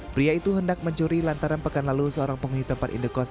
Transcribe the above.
pria itu hendak mencuri lantaran pekan lalu seorang penghuni tempat indekos